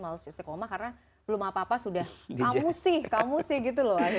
males istiqomah karena belum apa apa sudah kamu sih kamu sih gitu loh